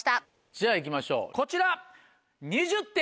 じゃあいきましょうこちら！